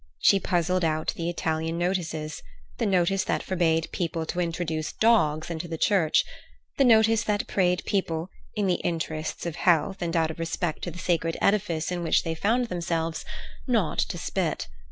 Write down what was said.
She puzzled out the Italian notices—the notices that forbade people to introduce dogs into the church—the notice that prayed people, in the interest of health and out of respect to the sacred edifice in which they found themselves, not to spit.